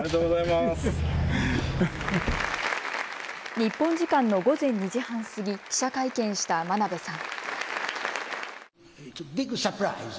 日本時間の午前２時半過ぎ、記者会見した真鍋さん。